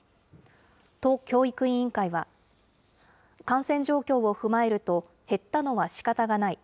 都教育委員会は、感染状況を踏まえると、減ったのはしかたがない。